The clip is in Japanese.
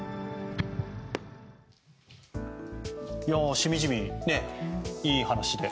しみじみ、いい話で。